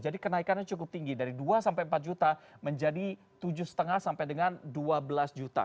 jadi kenaikannya cukup tinggi dari dua sampai empat juta menjadi tujuh lima sampai dengan dua belas juta